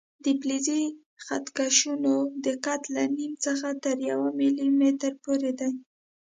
د فلزي خط کشونو دقت له نیم څخه تر یو ملي متره پورې دی.